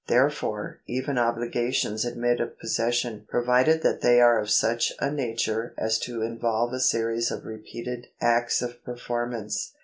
Therefore even obligations admit of possession, provided that they are of such a nature as to involve a series of repeated acts of performance.